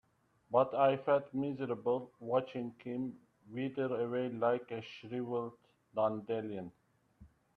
But I felt miserable watching him wither away like a shriveled dandelion.